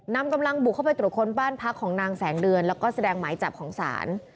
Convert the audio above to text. นำกำลังบุกเข้าไปตรวจค้นบ้านพักของนางแสงเดือนแล้วก็แสดงหมายจับของศาล